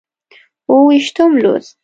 اووه ویشتم لوست